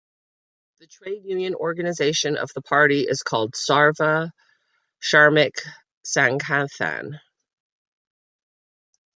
The trade union organization of the party is called Sarva Shramik Sanghathan.